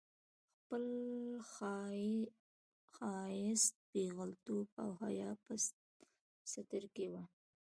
خپل ښايیت، پېغلتوب او حيا په ستر کړې وه